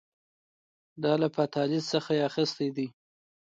دا له فاتالیس څخه یې اخیستي دي